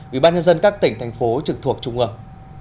ủy ban nhân dân các tỉnh thành phố trực thuộc trung ương